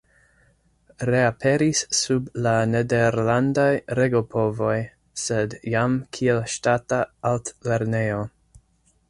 Reaperis sub la nederlandaj regopovoj, sed jam kiel ŝtata altlernejo.